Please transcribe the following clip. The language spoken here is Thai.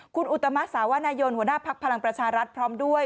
คุณอุตมะสาวนายนหัวหน้าภักดิ์พลังประชารัฐพร้อมด้วย